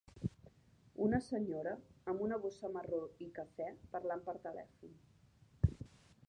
Una senyora amb una bossa marró i cafè parlant per telèfon.